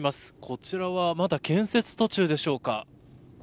こちらはまだ建設途中でしょうか。